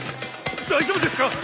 大丈夫ですか？